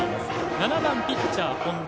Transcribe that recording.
７番のピッチャー、本田。